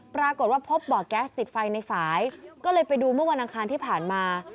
ปรากฏว่าพบบ่อแก๊สติดไฟในฝ่ายก็เลยไปดูเมื่อวันอังคารที่ผ่านมา